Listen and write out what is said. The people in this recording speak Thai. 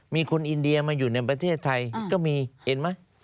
มีคนอินเดียมาอยู่ในประเทศไทยก็มีเห็นไหม